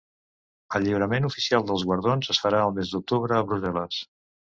El lliurament oficial dels guardons es farà el mes d’octubre a Brussel·les.